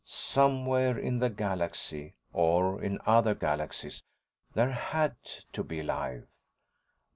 Somewhere in the galaxy or in other galaxies there had to be life.